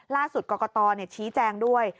ล่าสุดกรกฎตอนือชี้แจงด้วย